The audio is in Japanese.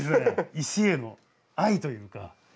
石への愛というか。